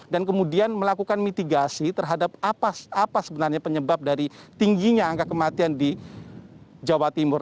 dan kemudian melakukan mitigasi terhadap apa sebenarnya penyebab dari tingginya angka kematian di jawa timur